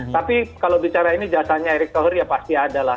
tapi kalau bicara ini jasanya erik thohir ya pasti ada lah